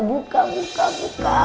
buka buka buka